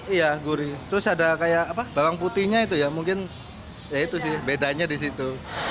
iya gurih terus ada kayak bawang putihnya itu ya mungkin ya itu sih bedanya di situ